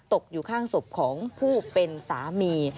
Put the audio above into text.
ตกอยู่ข้างศพของผู้เป็นสามี